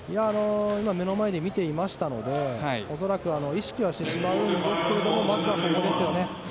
今、目の前で見ていましたので恐らく意識はしてしまうんですがまずはここですよね。